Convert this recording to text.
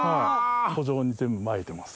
土壌に全部まいてます。